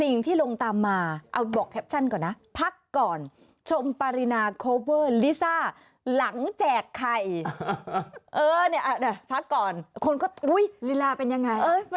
นี่ภาพก่อนหุ้ยลีลาเป็นยังไง